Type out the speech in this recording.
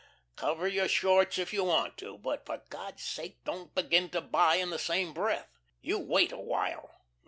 Cover your shorts if you want to, but, for God's sake, don't begin to buy in the same breath. You wait a while.